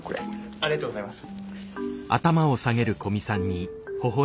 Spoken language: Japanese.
ありがとうございます。